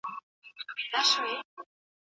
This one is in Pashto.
ایا ته غواړې چي اله اباد پوهنتون ته لاړ سې؟